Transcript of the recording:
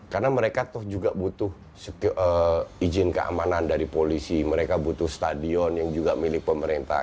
karena mereka tuh juga butuh izin keamanan dari polisi mereka butuh stadion yang juga milik pemerintah